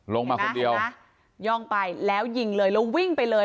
ลงมาคนเดียวย่องไปแล้วยิงเลยแล้ววิ่งไปเลย